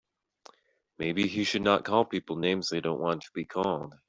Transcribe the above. Maybe he should not call people names that they don't want to be called.